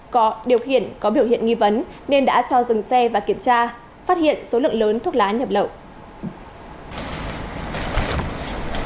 có điều khiển có biểu hiện nghi vấn nên đã cho dừng xe và kiểm tra phát hiện số lượng lớn thuốc lá nhập lậu